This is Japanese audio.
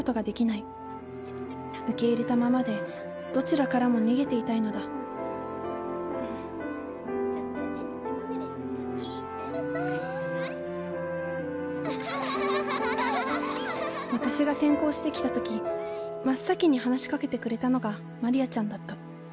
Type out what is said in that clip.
受け入れたままでどちらからも逃げていたいのだ私が転校してきた時真っ先に話しかけてくれたのがマリアちゃんだった。